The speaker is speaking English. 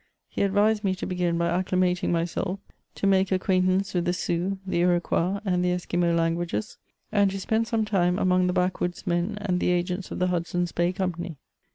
He advised me to begin by acclimating myself, to make acquaintance with the Sioux, the Iroquois, and the Esquimaux languages, and to spend some time among the backwoods' men and the agents of the Hudson's Bay Company.